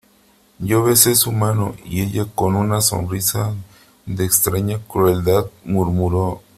yo besé su mano , y ella , con una sonrisa de extraña crueldad , murmuró :